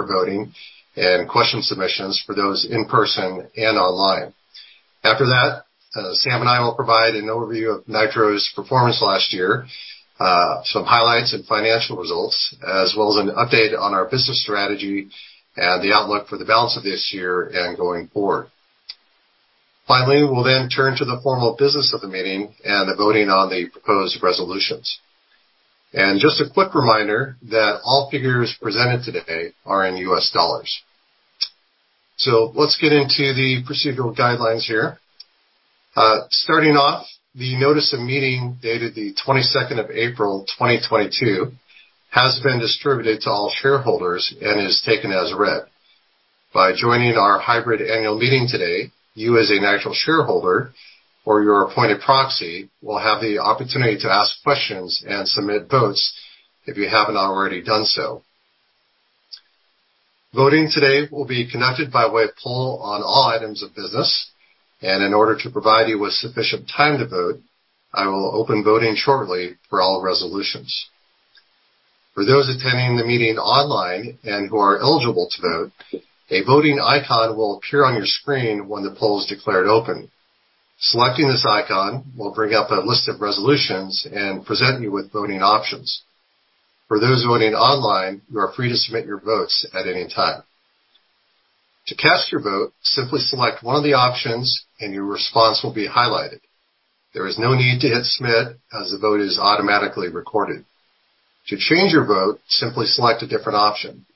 For voting and question submissions for those in person and online. After that, Sam and I will provide an overview of Nitro's performance last year, some highlights and financial results, as well as an update on our business strategy and the outlook for the balance of this year and going forward. Finally, we'll then turn to the formal business of the meeting and the voting on the proposed resolutions. Just a quick reminder that all figures presented today are in U.S. dollars. Let's get into the procedural guidelines here. Starting off, the notice of meeting, dated the 22nd of April, 2022, has been distributed to all shareholders and is taken as read. By joining our hybrid annual meeting today, you as a Nitro shareholder or your appointed proxy will have the opportunity to ask questions and submit votes if you haven't already done so. Voting today will be conducted by way of poll on all items of business. In order to provide you with sufficient time to vote, I will open voting shortly for all resolutions. For those attending the meeting online and who are eligible to vote, a voting icon will appear on your screen when the poll is declared open. Selecting this icon will bring up a list of resolutions and present you with voting options. For those voting online, you are free to submit your votes at any time. To cast your vote, simply select one of the options, and your response will be highlighted. There is no need to hit Submit, as the vote is automatically recorded. To change your vote, simply select a different option.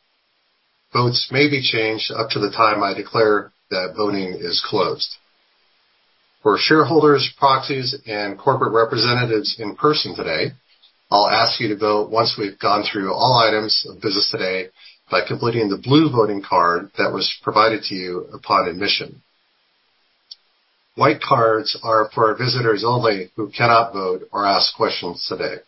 Votes may be changed up to the time I declare that voting is closed. For shareholders, proxies, and corporate representatives in person today, I'll ask you to vote once we've gone through all items of business today by completing the blue voting card that was provided to you upon admission. White cards are for our visitors only who cannot vote or ask questions today.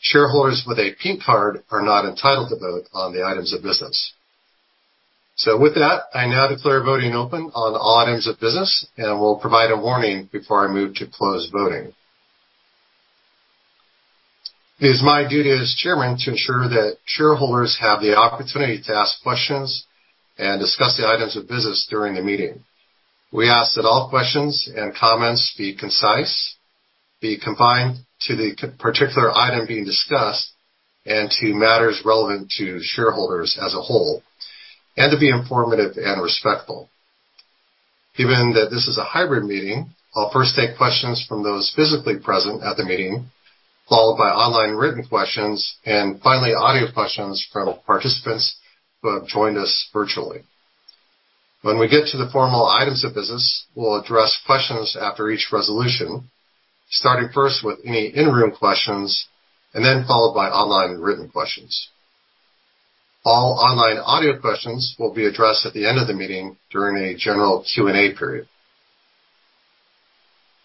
Shareholders with a pink card are not entitled to vote on the items of business. With that, I now declare voting open on all items of business and will provide a warning before I move to close voting. It is my duty as chairman to ensure that shareholders have the opportunity to ask questions and discuss the items of business during the meeting. We ask that all questions and comments be concise, be confined to the particular item being discussed, and to matters relevant to shareholders as a whole, and to be informative and respectful. Given that this is a hybrid meeting, I'll first take questions from those physically present at the meeting, followed by online written questions and finally audio questions from participants who have joined us virtually. When we get to the formal items of business, we'll address questions after each resolution, starting first with any in-room questions and then followed by online written questions. All online audio questions will be addressed at the end of the meeting during a general Q&A period.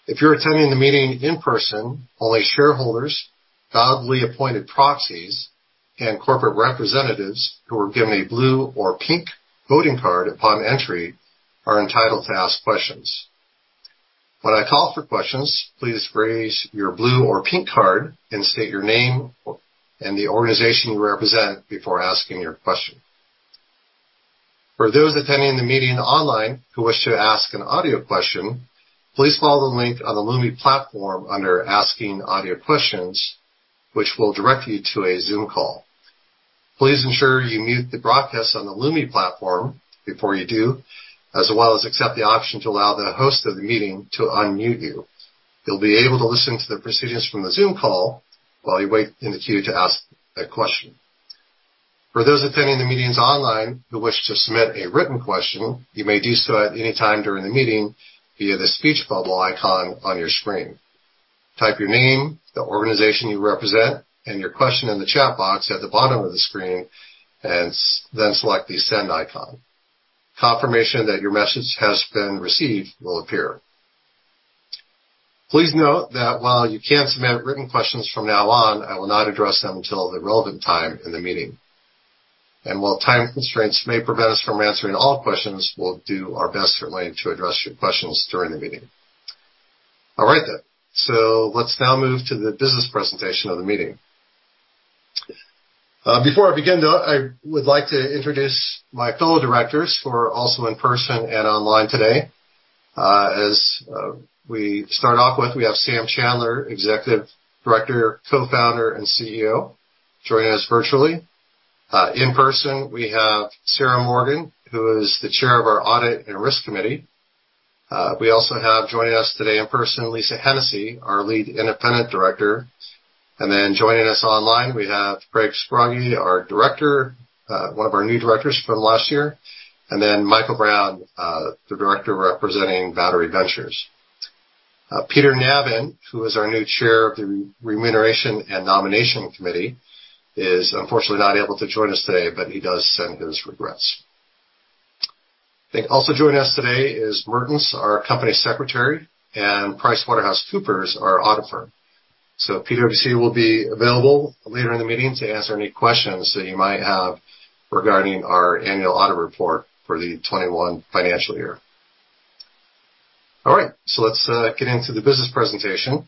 If you're attending the meeting in person, only shareholders, validly appointed proxies, and corporate representatives who were given a blue or pink voting card upon entry are entitled to ask questions. When I call for questions, please raise your blue or pink card and state your name and the organization you represent before asking your question. For those attending the meeting online who wish to ask an audio question, please follow the link on the Lumi platform under Asking Audio Questions, which will direct you to a Zoom call. Please ensure you mute the broadcast on the Lumi platform before you do, as well as accept the option to allow the host of the meeting to unmute you. You'll be able to listen to the proceedings from the Zoom call while you wait in the queue to ask a question. For those attending the meetings online who wish to submit a written question, you may do so at any time during the meeting via the speech bubble icon on your screen. Type your name, the organization you represent, and your question in the chat box at the bottom of the screen and then select the send icon. Confirmation that your message has been received will appear. Please note that while you can submit written questions from now on, I will not address them till the relevant time in the meeting. While time constraints may prevent us from answering all questions, we'll do our best certainly to address your questions during the meeting. All right then. Let's now move to the business presentation of the meeting. Before I begin, though, I would like to introduce my fellow directors who are also in person and online today. As we start off with, we have Sam Chandler, Executive Director, Co-founder, and CEO, joining us virtually. In person, we have Sarah Morgan, who is the Chair of our Audit and Risk Committee. We also have joining us today in person Lisa Hennessy, our Lead Independent Director. Then joining us online, we have Craig Scroggie, our Director, one of our new directors from last year, and then Michael Brown, the Director representing Battery Ventures. Peter Navin, who is our new Chair of the Remuneration and Nomination Committee, is unfortunately not able to join us today, but he does send his regrets. I think also joining us today is Mark Licciardo, our Company Secretary, and PricewaterhouseCoopers, our audit firm. PwC will be available later in the meeting to answer any questions that you might have regarding our annual audit report for the 2021 financial year. All right, let's get into the business presentation.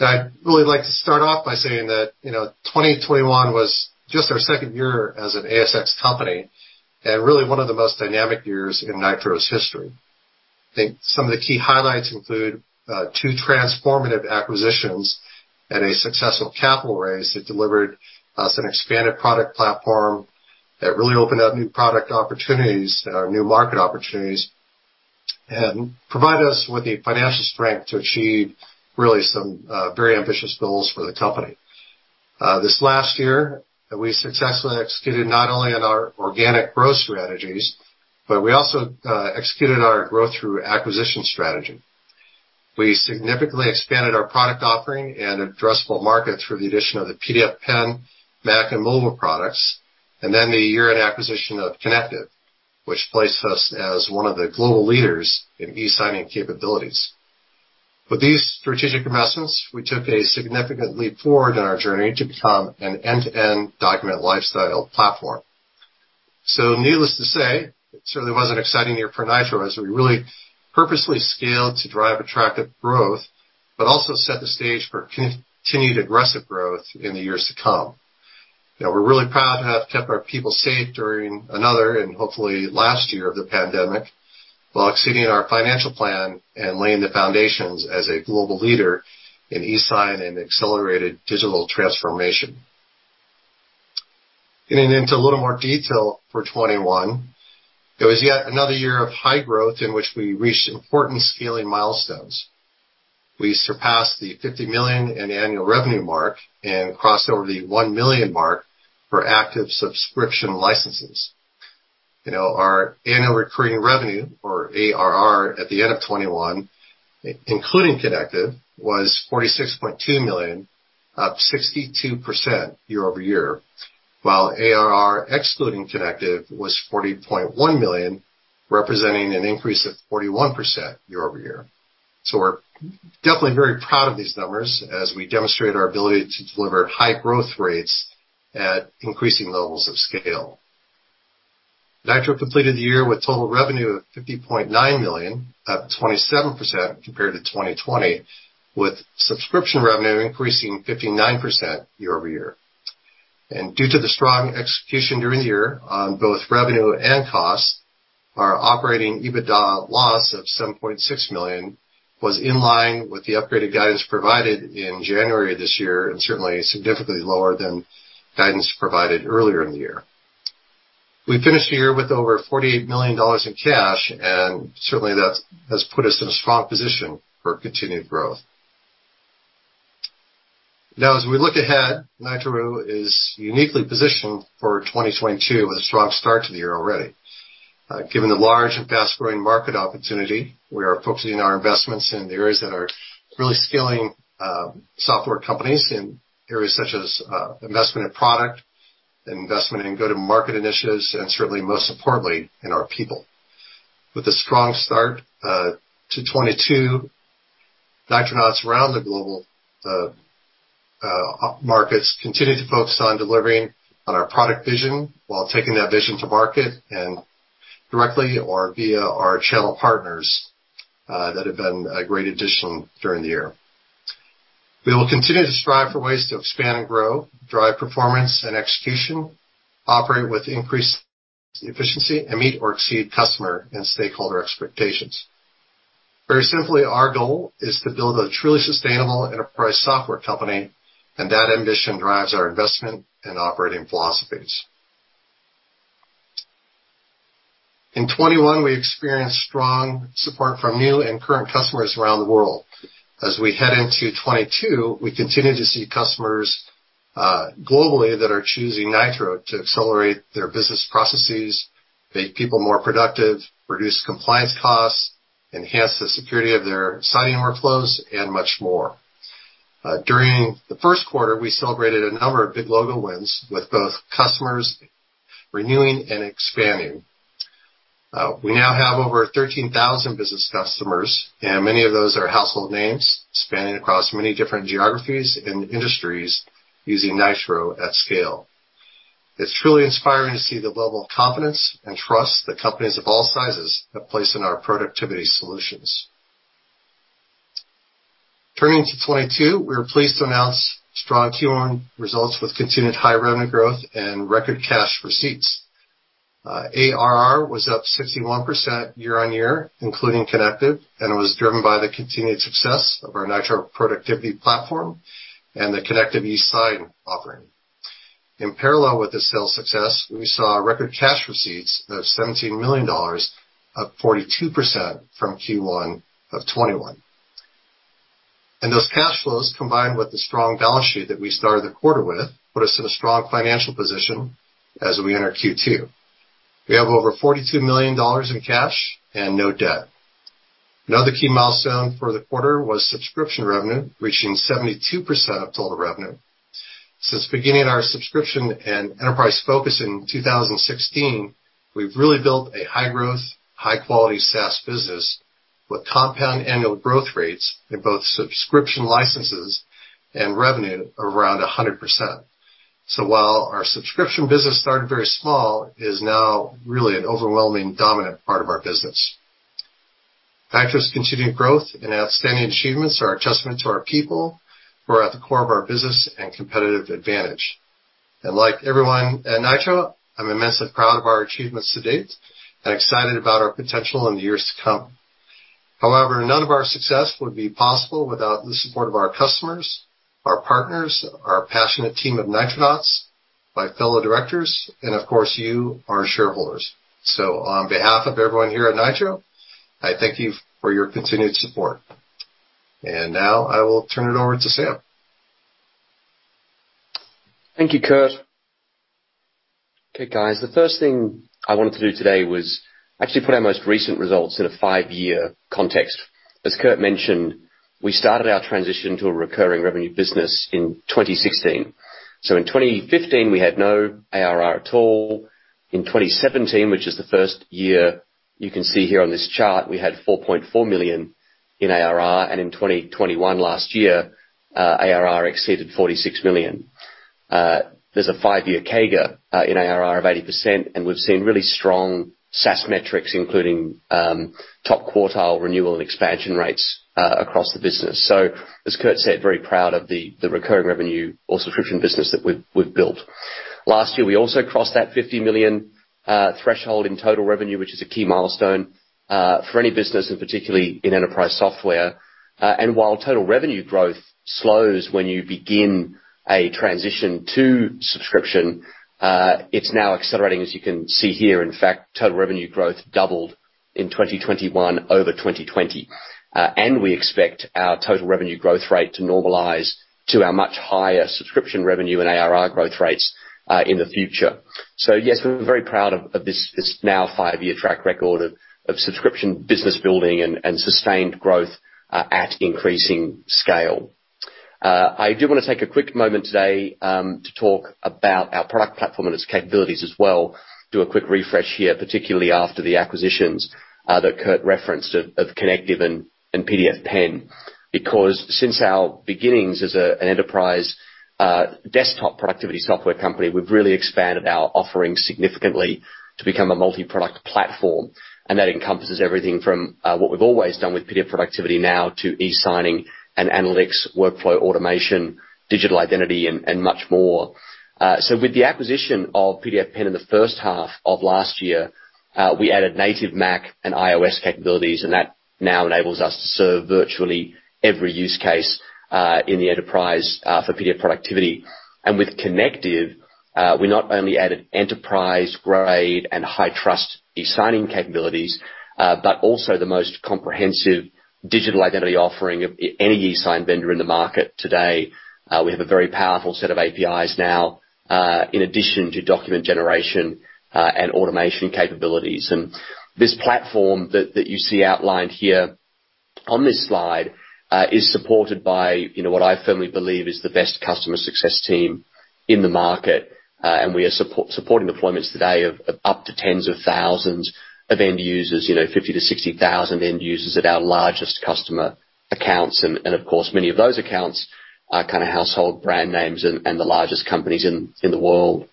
I'd really like to start off by saying that, you know, 2021 was just our second year as an ASX company and really one of the most dynamic years in Nitro's history. I think some of the key highlights include two transformative acquisitions and a successful capital raise that delivered us an expanded product platform that really opened up new product opportunities, new market opportunities, and provide us with the financial strength to achieve really some very ambitious goals for the company. This last year, we successfully executed not only on our organic growth strategies, but we also executed our growth through acquisition strategy. We significantly expanded our product offering and addressable market through the addition of the PDFpen, Mac, and mobile products, and then the year-end acquisition of Connective, which placed us as one of the global leaders in e-signing capabilities. With these strategic investments, we took a significant leap forward in our journey to become an end-to-end document lifecycle platform. Needless to say, it certainly was an exciting year for Nitro as we really purposely scaled to drive attractive growth, but also set the stage for continued aggressive growth in the years to come. You know, we're really proud to have kept our people safe during another, and hopefully last year of the pandemic, while exceeding our financial plan and laying the foundations as a global leader in e-sign and accelerated digital transformation. Getting into a little more detail for 2021. It was yet another year of high growth in which we reached important scaling milestones. We surpassed the $50 million in annual revenue mark and crossed over the 1 million mark for active subscription licenses. You know, our annual recurring revenue or ARR at the end of 2021, including Connective, was $46.2 million, up 62% year-over-year, while ARR, excluding Connective, was $40.1 million, representing an increase of 41% year-over-year. We're definitely very proud of these numbers as we demonstrate our ability to deliver high growth rates at increasing levels of scale. Nitro completed the year with total revenue of $50.9 million, up 27% compared to 2020, with subscription revenue increasing 59% year-over-year. Due to the strong execution during the year on both revenue and costs, our operating EBITDA loss of $7.6 million was in line with the upgraded guidance provided in January of this year, and certainly significantly lower than guidance provided earlier in the year. We finished the year with over $48 million in cash, and certainly that has put us in a strong position for continued growth. Now, as we look ahead, Nitro is uniquely positioned for 2022 with a strong start to the year already. Given the large and fast-growing market opportunity, we are focusing our investments in the areas that are really scaling software companies in areas such as investment in product, investment in go-to-market initiatives, and certainly most importantly, in our people. With a strong start to 2022, Nitronauts around the global markets continue to focus on delivering on our product vision while taking that vision to market and directly or via our channel partners that have been a great addition during the year. We will continue to strive for ways to expand and grow, drive performance and execution, operate with increased efficiency, and meet or exceed customer and stakeholder expectations. Very simply, our goal is to build a truly sustainable enterprise software company, and that ambition drives our investment and operating philosophies. In 2021 we experienced strong support from new and current customers around the world. As we head into 2022, we continue to see customers globally that are choosing Nitro to accelerate their business processes, make people more productive, reduce compliance costs, enhance the security of their signing workflows, and much more. During the first quarter, we celebrated a number of big logo wins with both customers renewing and expanding. We now have over 13,000 business customers, and many of those are household names spanning across many different geographies and industries using Nitro at scale. It's truly inspiring to see the level of confidence and trust that companies of all sizes have placed in our productivity solutions. Turning to 2022, we are pleased to announce strong Q1 results with continued high revenue growth and record cash receipts. ARR was up 61% year-on-year, including Connective, and was driven by the continued success of our Nitro productivity platform and the Connective e-sign offering. In parallel with the sales success, we saw record cash receipts of $17 million, up 42% from Q1 of 2021. Those cash flows, combined with the strong balance sheet that we started the quarter with, put us in a strong financial position as we enter Q2. We have over $42 million in cash and no debt. Another key milestone for the quarter was subscription revenue, reaching 72% of total revenue. Since beginning our subscription and enterprise focus in 2016, we've really built a high-growth, high quality SaaS business with compound annual growth rates in both subscription licenses and revenue around 100%. While our subscription business started very small, it is now really an overwhelming dominant part of our business. Nitro's continuing growth and outstanding achievements are a testament to our people who are at the core of our business and competitive advantage. Like everyone at Nitro, I'm immensely proud of our achievements to date and excited about our potential in the years to come. However, none of our success would be possible without the support of our customers, our partners, our passionate team of Nitronauts, my fellow directors, and of course, you, our shareholders. On behalf of everyone here at Nitro, I thank you for your continued support. Now, I will turn it over to Sam. Thank you, Kurt. Okay, guys. The first thing I wanted to do today was actually put our most recent results in a five-year context. As Kurt mentioned, we started our transition to a recurring revenue business in 2016. In 2015, we had no ARR at all. In 2017, which is the first year, you can see here on this chart, we had $4.4 million in ARR. In 2021 last year, ARR exceeded $46 million. There's a 5-year CAGR in ARR of 80%, and we've seen really strong SaaS metrics, including top-quartile renewal and expansion rates across the business. As Kurt said, very proud of the recurring revenue or subscription business that we've built. Last year, we also crossed that $50 million threshold in total revenue, which is a key milestone for any business, and particularly in enterprise software. While total revenue growth slows when you begin a transition to subscription, it's now accelerating, as you can see here. In fact, total revenue growth doubled in 2021 over 2020. We expect our total revenue growth rate to normalize to our much higher subscription revenue and ARR growth rates in the future. Yes, we're very proud of this now five-year track record of subscription business building and sustained growth at increasing scale. I do wanna take a quick moment today to talk about our product platform and its capabilities as well. Do a quick refresh here, particularly after the acquisitions that Kurt referenced of Connective and PDFpen. Because since our beginnings as an enterprise desktop productivity software company, we've really expanded our offerings significantly to become a multi-product platform, and that encompasses everything from what we've always done with PDF productivity now to e-signing and analytics, workflow automation, digital identity, and much more. With the acquisition of PDFpen in the first half of last year, we added native Mac and iOS capabilities, and that now enables us to serve virtually every use case in the enterprise for PDF productivity. With Connective, we not only added enterprise-grade and high-trust e-signing capabilities, but also the most comprehensive digital identity offering of any e-sign vendor in the market to date. We have a very powerful set of APIs now, in addition to document generation, and automation capabilities. This platform that you see outlined here on this slide is supported by, you know, what I firmly believe is the best customer success team in the market. We are supporting deployments today of up to tens of thousands of end users, you know, 50,000 to 60,000 end users at our largest customer accounts. Of course, many of those accounts are kinda household brand names and the largest companies in the world.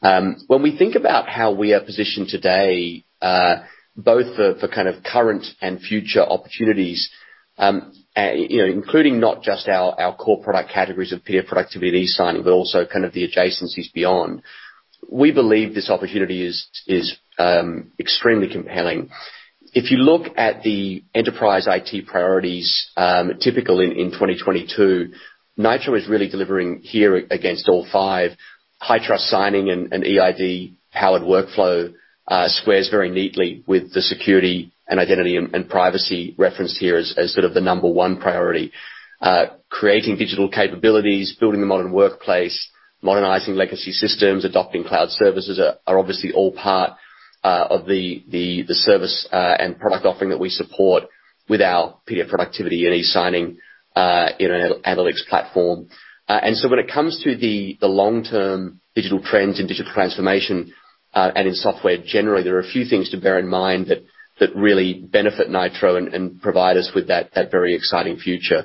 When we think about how we are positioned today, both for kind of current and future opportunities, you know, including not just our core product categories of PDF productivity e-signing, but also kind of the adjacencies beyond, we believe this opportunity is extremely compelling. If you look at the enterprise IT priorities typical in 2022, Nitro is really delivering here against all five. High-trust signing and EID. How IT workflow squares very neatly with the security and identity and privacy referenced here as sort of the number one priority. Creating digital capabilities, building the modern workplace, modernizing legacy systems, adopting cloud services are obviously all part of the service and product offering that we support with our PDF productivity and e-signing in an analytics platform. When it comes to the long-term digital trends in digital transformation and in software, generally, there are a few things to bear in mind that really benefit Nitro and provide us with that very exciting future.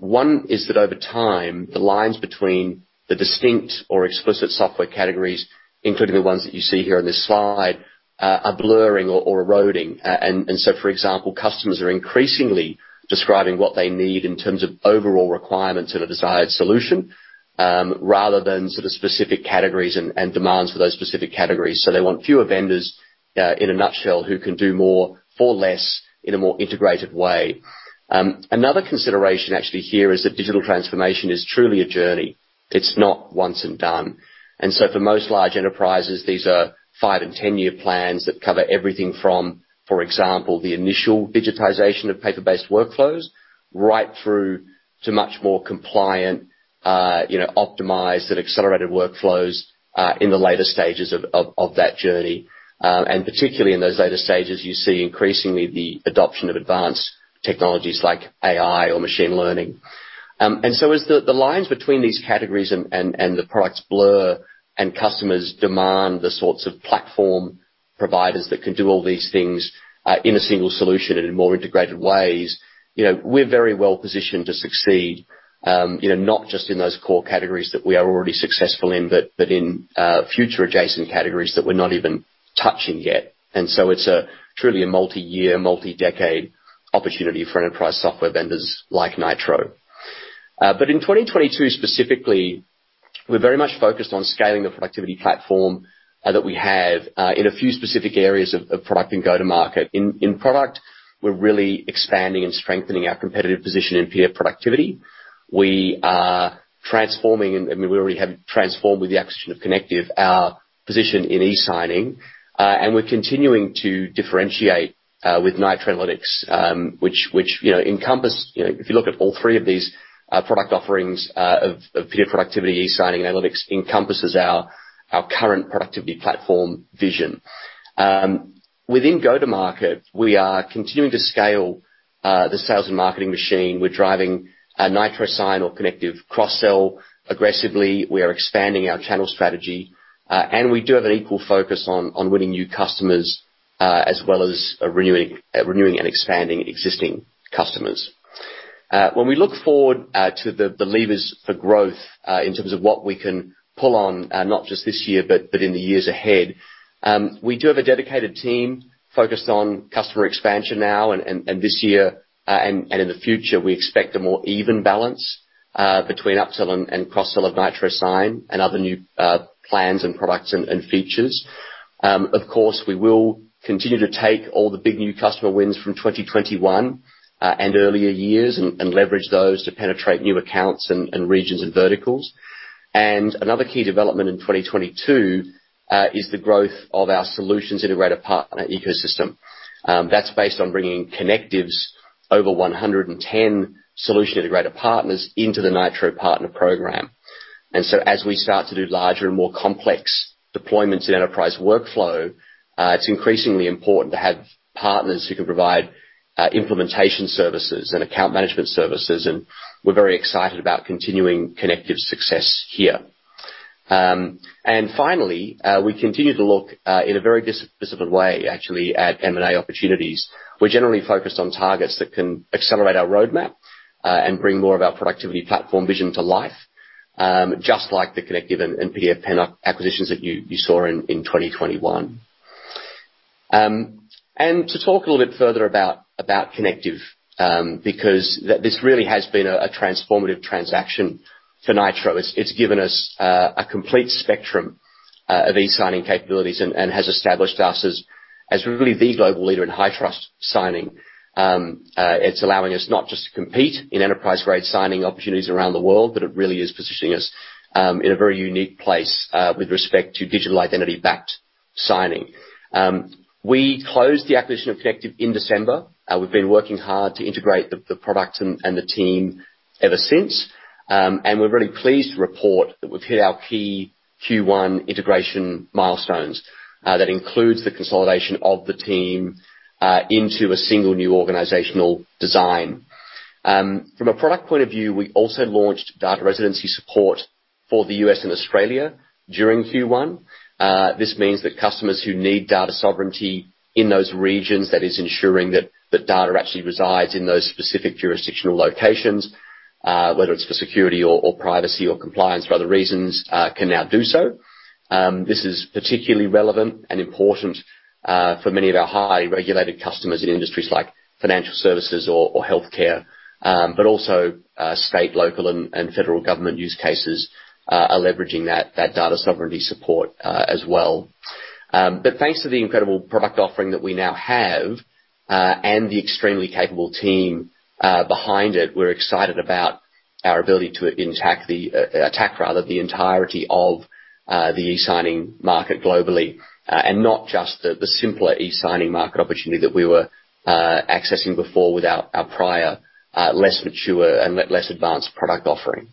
One is that over time, the lines between the distinct or explicit software categories, including the ones that you see here on this slide, are blurring or eroding. For example, customers are increasingly describing what they need in terms of overall requirements of a desired solution, rather than sort of specific categories and demands for those specific categories. They want fewer vendors, in a nutshell, who can do more for less in a more integrated way. Another consideration actually here is that digital transformation is truly a journey. It's not once and done. For most large enterprises, these are 5 and 10 year plans that cover everything from, for example, the initial digitization of paper-based workflows right through to much more compliant, you know, optimized and accelerated workflows in the later stages of that journey. Particularly in those later stages, you see increasingly the adoption of advanced technologies like AI or machine learning. As the lines between these categories and the products blur and customers demand the sorts of platform providers that can do all these things in a single solution and in more integrated ways. You know, we're very well positioned to succeed, you know, not just in those core categories that we are already successful in, but in future adjacent categories that we're not even touching yet. It's truly a multi-year, multi-decade opportunity for enterprise software vendors like Nitro. In 2022 specifically, we're very much focused on scaling the productivity platform that we have in a few specific areas of product and go-to-market. In product, we're really expanding and strengthening our competitive position in PDF productivity. We are transforming, and I mean, we already have transformed with the acquisition of Connective, our position in e-signing. We're continuing to differentiate with Nitro Analytics, which you know encompass you know if you look at all three of these product offerings of PDF productivity, e-signing, and analytics encompasses our current productivity platform vision. Within go-to-market, we are continuing to scale the sales and marketing machine. We're driving a Nitro Sign or Connective cross-sell aggressively. We are expanding our channel strategy, and we do have an equal focus on winning new customers, as well as renewing and expanding existing customers. When we look forward to the levers for growth, in terms of what we can pull on, not just this year but in the years ahead, we do have a dedicated team focused on customer expansion now and this year, and in the future, we expect a more even balance between upsell and cross-sell of Nitro Sign and other new plans and products and features. Of course, we will continue to take all the big new customer wins from 2021 and earlier years and leverage those to penetrate new accounts and regions and verticals. Another key development in 2022 is the growth of our solutions integrator partner ecosystem. That's based on bringing Connective's over 110 solution integrator partners into the Nitro Partner Program. As we start to do larger and more complex deployments in enterprise workflow, it's increasingly important to have partners who can provide implementation services and account management services, and we're very excited about continuing Connective's success here. Finally, we continue to look in a very disciplined way, actually, at M&A opportunities. We're generally focused on targets that can accelerate our roadmap and bring more of our productivity platform vision to life, just like the Connective and PDFpen acquisitions that you saw in 2021. To talk a little bit further about Connective, because this really has been a transformative transaction for Nitro. It's given us a complete spectrum of e-signing capabilities and has established us as really the global leader in high-trust signing. It's allowing us not just to compete in enterprise-grade signing opportunities around the world, but it really is positioning us in a very unique place with respect to digital identity-backed signing. We closed the acquisition of Connective in December. We've been working hard to integrate the product and the team ever since. We're really pleased to report that we've hit our key Q1 integration milestones, that includes the consolidation of the team into a single new organizational design. From a product point of view, we also launched data residency support for the U.S. and Australia during Q1. This means that customers who need data sovereignty in those regions, that is ensuring that the data actually resides in those specific jurisdictional locations, whether it's for security or privacy or compliance for other reasons, can now do so. This is particularly relevant and important for many of our highly regulated customers in industries like financial services or healthcare, but also state, local, and federal government use cases are leveraging that data sovereignty support as well. Thanks to the incredible product offering that we now have, and the extremely capable team behind it, we're excited about our ability to attack the entirety of the e-signing market globally, and not just the simpler e-signing market opportunity that we were accessing before with our prior less mature and less advanced product offering.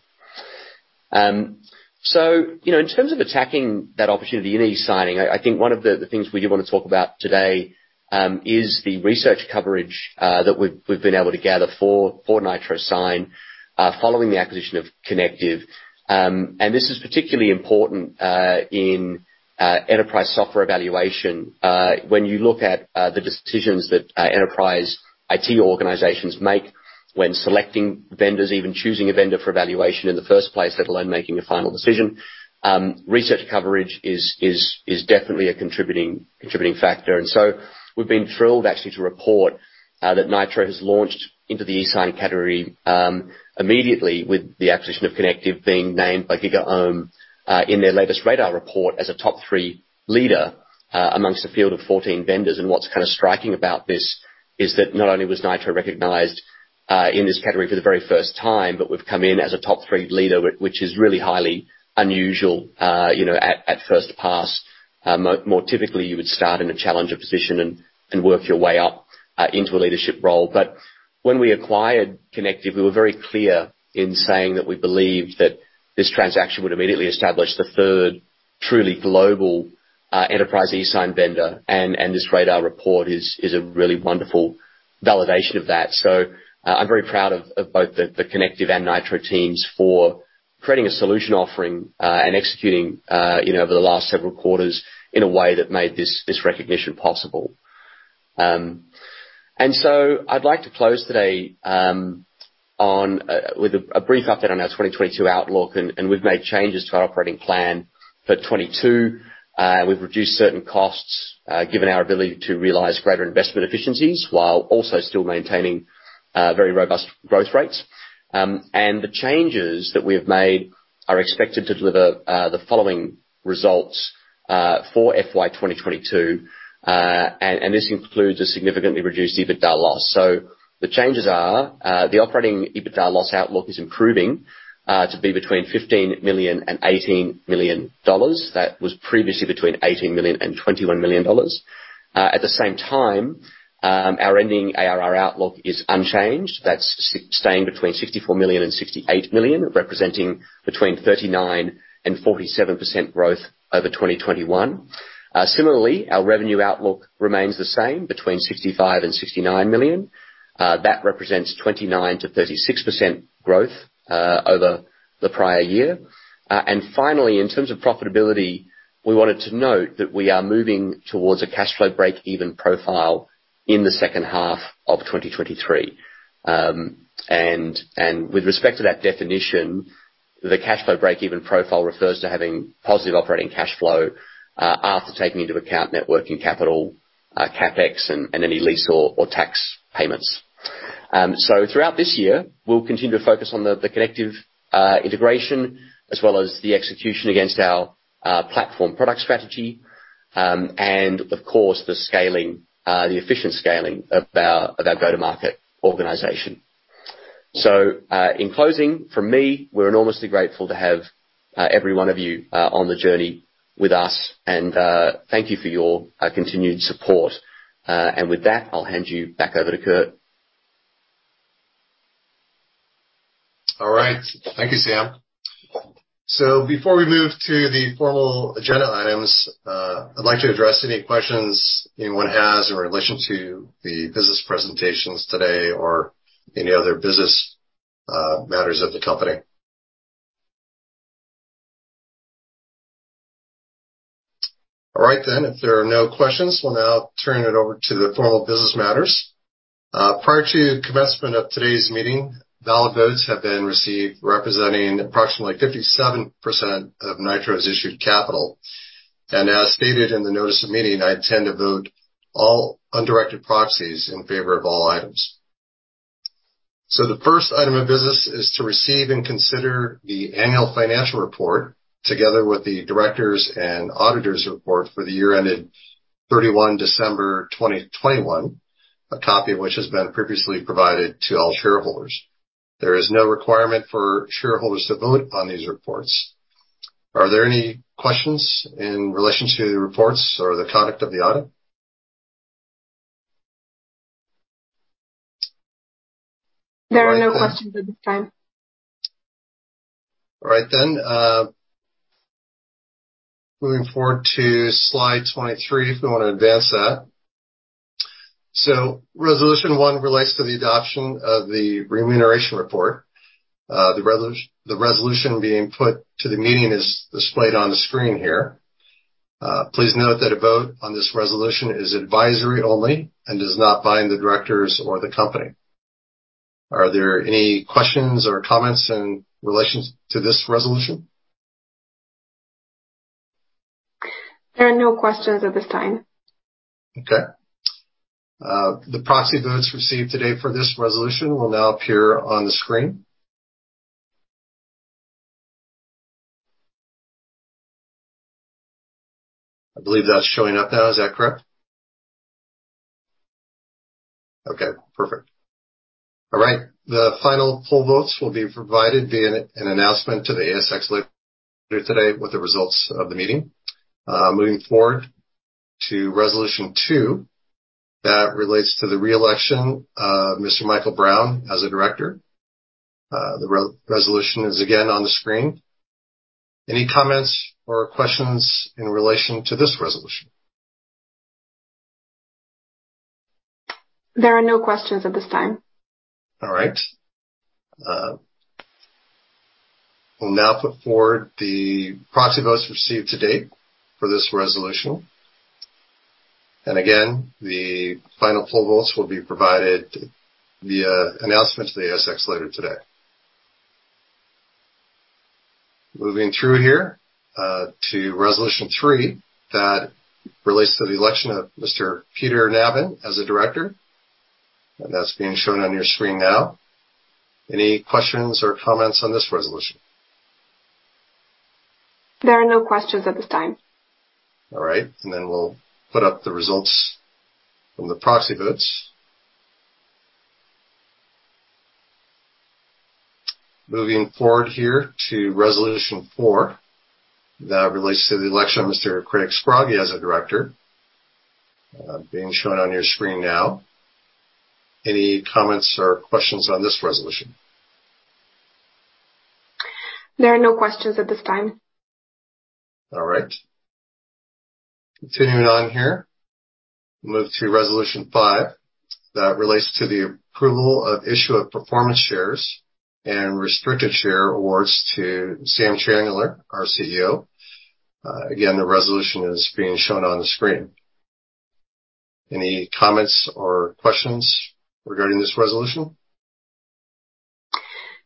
You know, in terms of attacking that opportunity in e-signing, I think one of the things we do wanna talk about today is the research coverage that we've been able to gather for Nitro Sign following the acquisition of Connective. This is particularly important in enterprise software evaluation. When you look at the decisions that enterprise IT organizations make when selecting vendors, even choosing a vendor for evaluation in the first place, let alone making a final decision, research coverage is definitely a contributing factor. We've been thrilled actually to report that Nitro has launched into the e-signing category immediately with the acquisition of Connective being named by GigaOm in their latest Radar Report as a top three leader amongst a field of 14 vendors. What's kind of striking about this is that not only was Nitro recognized in this category for the very first time, but we've come in as a top three leader, which is really highly unusual, you know, at first pass. More typically, you would start in a challenger position and work your way up into a leadership role. When we acquired Connective, we were very clear in saying that we believed that this transaction would immediately establish the third truly global enterprise e-sign vendor, and this Radar report is a really wonderful validation of that. I'm very proud of both the Connective and Nitro teams for creating a solution offering and executing, you know, over the last several quarters in a way that made this recognition possible. I'd like to close today with a brief update on our 2022 outlook, and we've made changes to our operating plan for 2022. We've reduced certain costs, given our ability to realize greater investment efficiencies while also still maintaining very robust growth rates. The changes that we have made are expected to deliver the following results for FY 2022, and this includes a significantly reduced EBITDA loss. The operating EBITDA loss outlook is improving to be between $15 million and $18 million. That was previously between $18 million and $21 million. At the same time, our ending ARR outlook is unchanged. That's staying between $64 million and $68 million, representing between 39% and 47% growth over 2021. Similarly, our revenue outlook remains the same, between $65 million and $69 million. That represents 29%-36% growth over the prior year. Finally, in terms of profitability, we wanted to note that we are moving towards a cash flow break-even profile in the second half of 2023. With respect to that definition, the cash flow break-even profile refers to having positive operating cash flow after taking into account net working capital, CapEx, and any lease or tax payments. Throughout this year, we'll continue to focus on the Connective integration as well as the execution against our platform product strategy, and of course, the scaling, the efficient scaling of our go-to-market organization. In closing, from me, we're enormously grateful to have every one of you on the journey with us, and thank you for your continued support. With that, I'll hand you back over to Kurt. All right. Thank you, Sam. Before we move to the formal agenda items, I'd like to address any questions anyone has in relation to the business presentations today or any other business matters of the company. All right, then. If there are no questions, we'll now turn it over to the formal business matters. Prior to commencement of today's meeting, valid votes have been received representing approximately 57% of Nitro's issued capital. As stated in the notice of meeting, I intend to vote all undirected proxies in favor of all items. The first item of business is to receive and consider the annual financial report, together with the directors' and auditors' report for the year ended 31 December 2021, a copy of which has been previously provided to all shareholders. There is no requirement for shareholders to vote on these reports. Are there any questions in relation to the reports or the conduct of the audit? There are no questions at this time. All right, then. Moving forward to slide 23, if you wanna advance that. Resolution 1 relates to the adoption of the remuneration report. The resolution being put to the meeting is displayed on the screen here. Please note that a vote on this resolution is advisory only and does not bind the directors or the company. Are there any questions or comments in relation to this resolution? There are no questions at this time. Okay. The proxy votes received today for this resolution will now appear on the screen. I believe that's showing up now. Is that correct? Okay, perfect. All right. The final poll votes will be provided via an announcement to the ASX later today with the results of the meeting. Moving forward to Resolution 2 that relates to the re-election of Mr. Michael Brown as a director. The resolution is again on the screen. Any comments or questions in relation to this resolution? There are no questions at this time. All right. We'll now put forward the proxy votes received to date for this resolution. Again, the final poll votes will be provided via announcement to the ASX later today. Moving through here, to Resolution 3 that relates to the election of Mr. Peter Navin as a director, and that's being shown on your screen now. Any questions or comments on this resolution? There are no questions at this time. All right. We'll put up the results from the proxy votes. Moving forward here to resolution 4 that relates to the election of Mr. Craig Scroggie as a director, being shown on your screen now. Any comments or questions on this resolution? There are no questions at this time. All right. Continuing on here, move to Resolution 5 that relates to the approval of issue of performance shares and restricted share awards to Sam Chandler, our CEO. Again, the resolution is being shown on the screen. Any comments or questions regarding this resolution?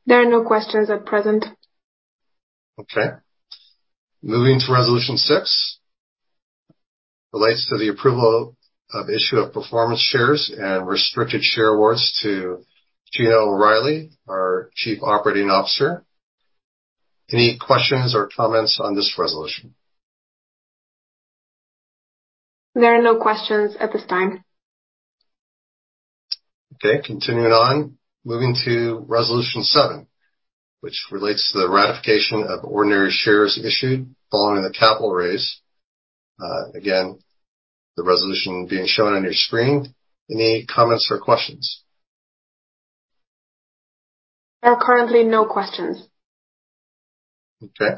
There are no questions at present. Okay. Moving to Resolution 6. Relates to the approval of issue of performance shares and restricted share awards to Gina O'Reilly, our Chief Operating Officer. Any questions or comments on this resolution? There are no questions at this time. Okay. Continuing on, moving to Resolution 7, which relates to the ratification of ordinary shares issued following the capital raise. Again, the resolution being shown on your screen. Any comments or questions? There are currently no questions. Okay.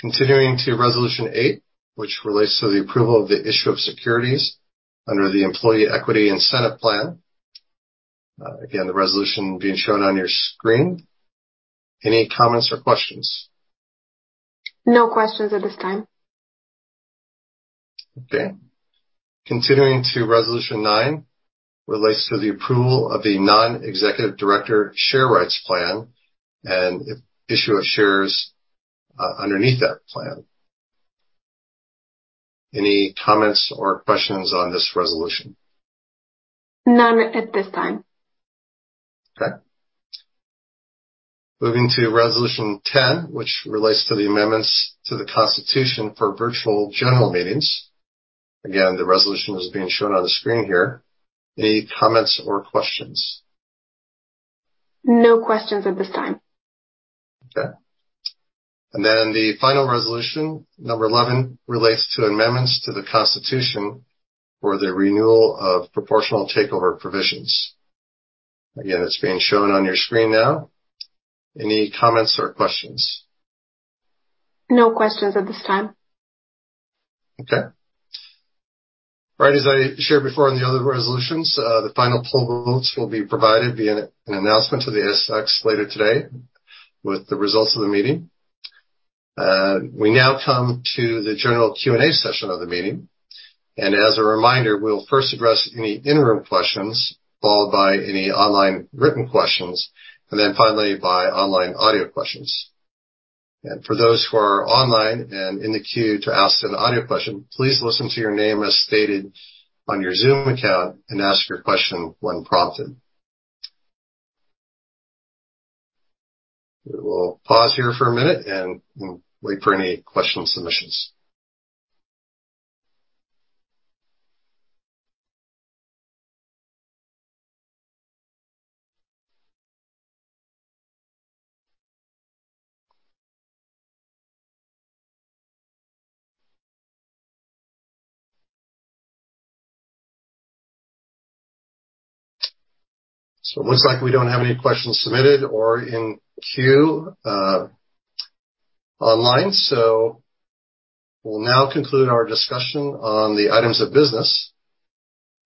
Continuing to Resolution 8, which relates to the approval of the issue of securities under the employee equity incentive plan. Again, the resolution being shown on your screen. Any comments or questions? No questions at this time. Okay. Continuing to Resolution 9, relates to the approval of the non-executive director share rights plan and issue of shares underneath that plan. Any comments or questions on this resolution? None at this time. Okay. Moving to Resolution 10, which relates to the amendments to the constitution for virtual general meetings. Again, the resolution is being shown on the screen here. Any comments or questions? No questions at this time. Okay. The final Resolution, number 11, relates to amendments to the constitution for the renewal of proportional takeover provisions. Again, it's being shown on your screen now. Any comments or questions? No questions at this time. Okay. All right. As I shared before in the other resolutions, the final poll votes will be provided via an announcement to the ASX later today with the results of the meeting. We now come to the general Q&A session of the meeting. As a reminder, we'll first address any interim questions, followed by any online written questions, and then finally by online audio questions. For those who are online and in the queue to ask an audio question, please listen to your name as stated on your Zoom account and ask your question when prompted. We will pause here for a minute and wait for any question submissions. It looks like we don't have any questions submitted or in queue, online. We'll now conclude our discussion on the items of business,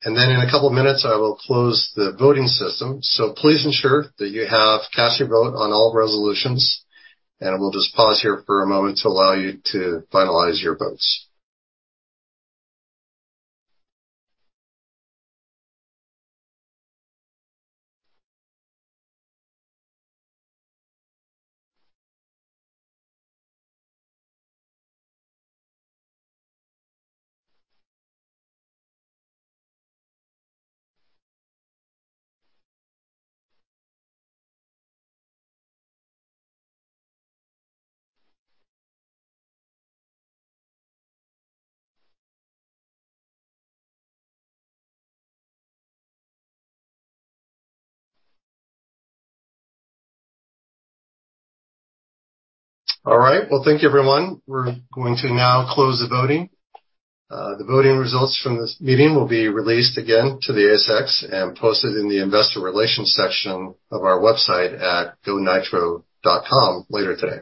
and then in a couple of minutes, I will close the voting system. Please ensure that you have cast your vote on all resolutions, and we'll just pause here for a moment to allow you to finalize your votes. All right. Well, thank you, everyone. We're going to now close the voting. The voting results from this meeting will be released again to the ASX and posted in the investor relations section of our website at gonitro.com later today.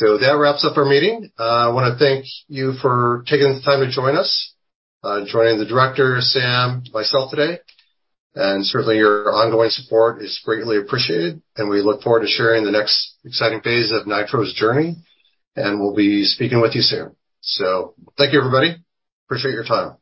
That wraps up our meeting. I wanna thank you for taking the time to join us, joining the director, Sam, myself today, and certainly your ongoing support is greatly appreciated, and we look forward to sharing the next exciting phase of Nitro's journey, and we'll be speaking with you soon. Thank you, everybody. Appreciate your time.